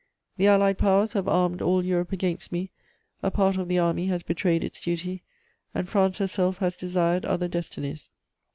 "The Allied Powers have armed all Europe against me, a part of the army has betrayed its duty, and France herself has desired other destinies.